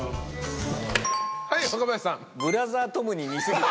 はい若林さん。